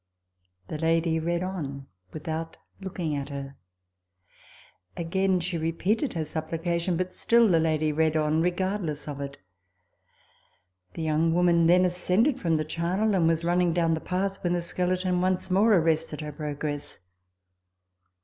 The lady read on without looking at her. Again TABLE TALK OF SAMUEL ROGERS 125 she repeated her supplication, but still the lady read on, regardless of it. The young woman then ascended from the charnel, and was running down the path when the skeleton once more arrested her progress.